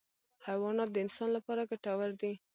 حیوانات د انسان لپاره ګټور دي.